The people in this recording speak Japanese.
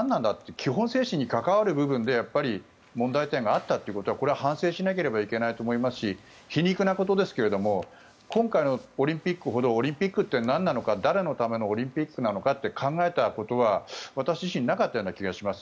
基本精神に関わる部分で問題点があったということはこれは反省しなければいけないと思いますし皮肉なことですけど今回のオリンピックほどオリンピックってなんなのか誰のためのオリンピックなのかって考えたことは私自身なかったような気がします。